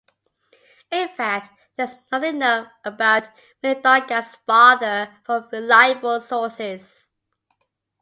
In fact there is nothing known about Mindaugas' father from reliable sources.